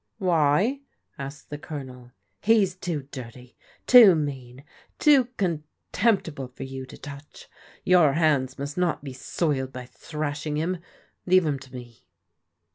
Why ?" asked the Colonel. He's too dirty, too mean, too contemptible for you to touch. Your hands must not be soiled by thrashing him. Leave him to me."